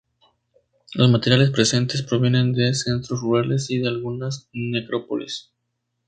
Los materiales presentes provienen de centros rurales y de algunas necrópolis.